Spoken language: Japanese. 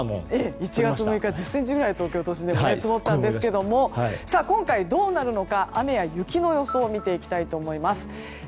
１月頭は１０ｃｍぐらい東京都心でも降り積もったんですけど今回どうなるのか雨や雪の予想を見ていきたいと思います。